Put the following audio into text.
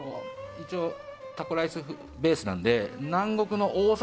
一応、タコライスベースなので南国の王様